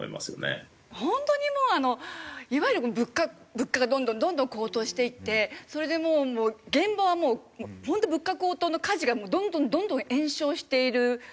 ホントにもういわゆる物価がどんどんどんどん高騰していってそれで現場はもうホント物価高騰の火事がどんどんどんどん延焼している状態なんですね。